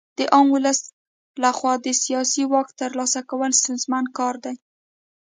د عام ولس لخوا د سیاسي واک ترلاسه کول ستونزمن کار دی.